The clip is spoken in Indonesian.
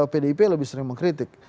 pdip lebih sering mengkritik